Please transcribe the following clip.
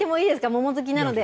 桃好きなので。